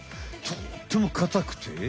とってもかたくて。